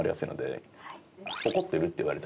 「怒ってる？」って言われたりとか。